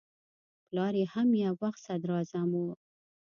پلار یې هم یو وخت صدراعظم و.